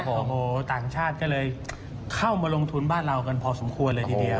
โอ้โหต่างชาติก็เลยเข้ามาลงทุนบ้านเรากันพอสมควรเลยทีเดียว